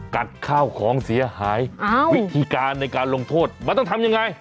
ข้าวของเสียหายวิธีการในการลงโทษมันต้องทำยังไง